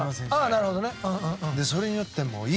なるほど。